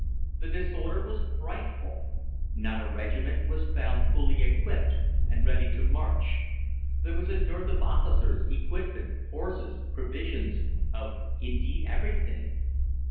The disorder was frightful. Not a regiment was found fully equipped and ready to march. There was a dearth of officers, equipment, horses, provisions of, indeed, everything.